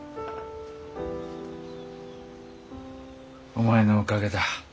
お前のおかげだ。